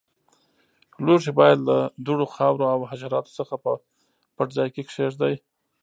لوښي باید له دوړو، خاورو او حشراتو څخه په پټ ځای کې کېږدئ.